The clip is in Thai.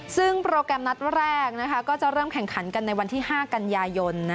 ซึ่งโปรแกรมนัดแรกก็จะเริ่มแข่งขันกันในวันที่๕กันยายน